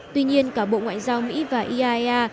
tuy nhiên cả bộ ngoại giao mỹ và iaea